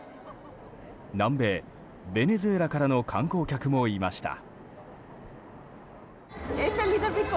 南米ベネズエラからの観光客もいました。